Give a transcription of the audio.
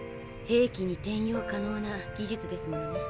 兵器に転用可能な技術ですものね。